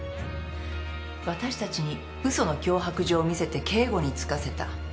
私たちにうその脅迫状を見せて警護に付かせた。